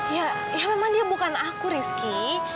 ya ya memang dia bukan aku rizky